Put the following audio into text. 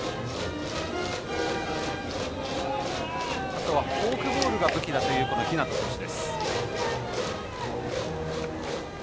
あとはフォークボールが武器だという日當投手。